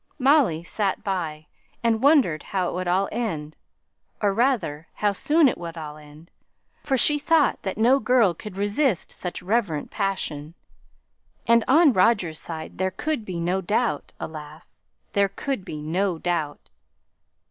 Molly sate by, and wondered how it would all end, or, rather, how soon it would all end, for she thought that no girl could resist such reverent passion; and on Roger's side there could be no doubt alas! there could be no doubt.